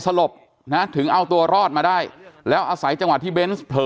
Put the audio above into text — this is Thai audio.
สลบนะถึงเอาตัวรอดมาได้แล้วอาศัยจังหวะที่เบนส์เผลอ